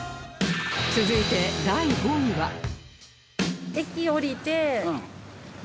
続いて第５位は